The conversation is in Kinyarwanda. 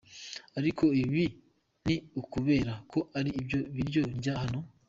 Ariko ibi ni ukubera ko ari byo biryo ndya hano.